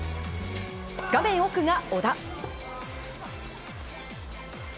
画面奥が小田。